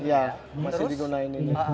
iya masih digunakan ini